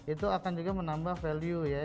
itu akan juga menambah value ya